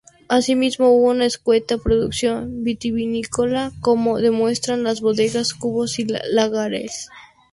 Asimismo, hubo una escueta producción vitivinícola como demuestran las bodegas, cubos y lagares.